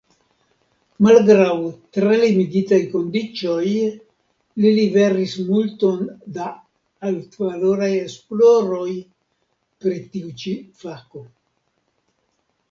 Malgraŭ tre limigitaj kondiĉoj li liveris multon da altvaloraj esploroj pri tiu ĉi fako.